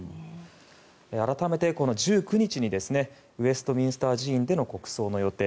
改めて１９日にウェストミンスター寺院での国葬の予定。